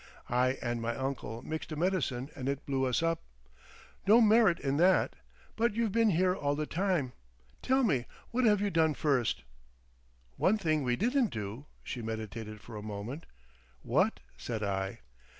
I and my uncle mixed a medicine and it blew us up. No merit in that! But you've been here all the time. Tell me what you have done first." "One thing we didn't do." She meditated for a moment. "What?" said I.